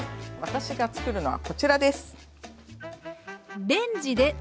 私が作るのはこちらです！